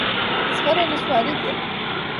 زغر نصواري دي.